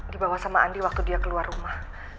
dibawa sama andi waktu dia keluar rumah